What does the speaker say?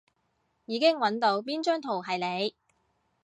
已經搵到邊張圖係你